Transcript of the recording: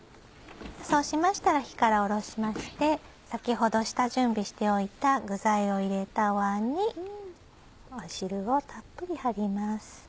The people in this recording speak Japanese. そうしましたら火から下ろしまして先ほど下準備しておいた具材を入れた椀に汁をたっぷり張ります。